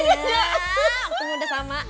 iya aku muda sama